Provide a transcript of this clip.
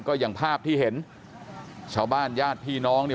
ก็อย่างภาพที่เห็นชาวบ้านญาติพี่น้องเนี่ย